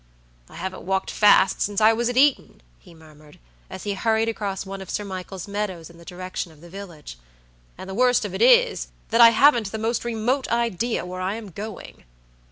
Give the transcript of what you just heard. "I haven't walked fast since I was at Eton," he murmured, as he hurried across one of Sir Michael's meadows in the direction of the village; "and the worst of it is, that I haven't the most remote idea where I am going."